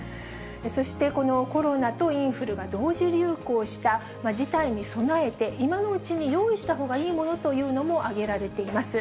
そして、このコロナとインフルが同時流行した事態に備えて、今のうちに用意したほうがいいものというのも挙げられています。